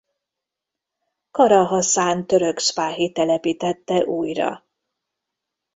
Kara Haszán török szpáhi telepítette újra.